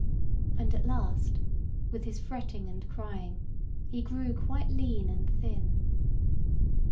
And at last, with his fretting and crying, he grew quite lean and thin.